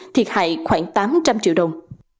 thiệt hại khoảng tám trăm linh triệu đồng